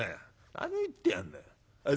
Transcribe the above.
何を言ってやんだい。